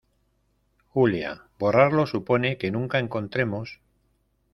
Julia, borrarlo supone que nunca encontremos